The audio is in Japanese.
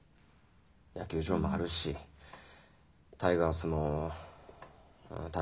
野球場もあるしタイガースも確かあるし。